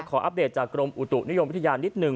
อัปเดตจากกรมอุตุนิยมวิทยานิดหนึ่ง